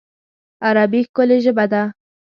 عربي ښکلی ژبه ده